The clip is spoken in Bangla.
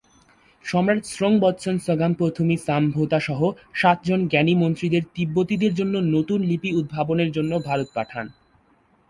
সম্রাট স্রোং-ব্ত্সন-স্গাম-পো থু-মি-সাম-ভো-তা সহ সাতজন জ্ঞানী মন্ত্রীদের তিব্বতীদের জন্য নতুন লিপি উদ্ভাবনের জন্য ভারত পাঠান।